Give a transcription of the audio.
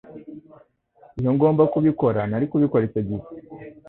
Iyo ngomba kubikora, nari kubikora icyo gihe.